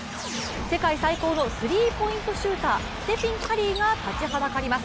世界最高のスリーポイントシューター、ステフィン・カリーが立ちはだかります。